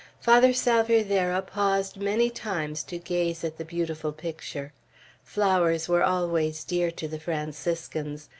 Father Salvierderra paused many times to gaze at the beautiful picture. Flowers were always dear to the Franciscans.